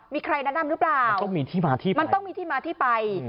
มีใครแนะนำหรือเปล่ามันต้องมีที่มาที่ไปมันต้องมีที่มาที่ไป